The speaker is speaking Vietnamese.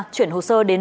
chuyển hồ sơ đến